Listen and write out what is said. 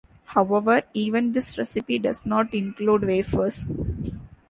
However, even this recipe does not include wafers.